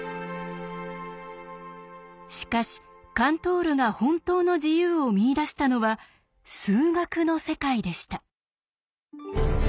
しかしカントールが本当の自由を見いだしたのは数学の世界でした。